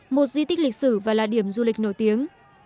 một địa điểm du lịch nổi tiếng